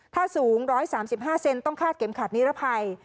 ถ้าสูง๑๓๕เซนต้องคาดเข็มขัดนิรภัย